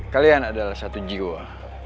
kalian adalah satu jiwa